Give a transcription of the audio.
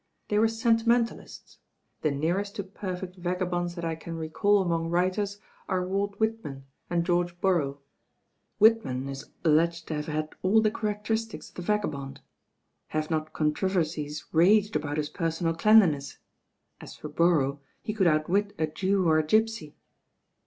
"They were sentimentalists. The nearest to perfect vaga bonds that I can recall among writers are Walt Whitman and George Borrow. Whitman is al leged to have had all the characteristics of the vaga bond. Have not controversies raged about his per sonal cleanliness? As for Borrow, he could outwit a Jew or a gipsy."